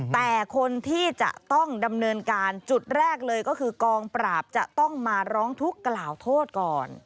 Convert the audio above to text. แต่คนที่จะต้องดำเนินการจุดแรกเลยก็คือกองปราบจะต้องมาร้องทุกข์กล่าวโทษก่อน